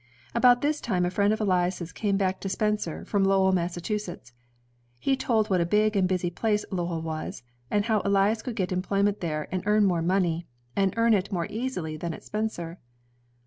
About this time a friend of Elias's came back to Spencer from Lowell, Massachusetts. He told what a big and busy place Lowell was, and how Elias could get employment there and earn more money, and earn it more easily than at Spencer.